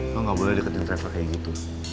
lo gak boleh deketin reva kayak gitu